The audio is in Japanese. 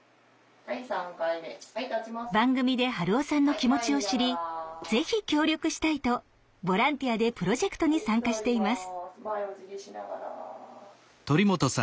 番組で春雄さんの気持ちを知りぜひ協力したいとボランティアでプロジェクトに参加しています。